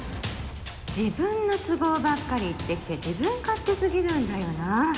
自分の都合ばっかり言ってきて自分勝手すぎるんだよな！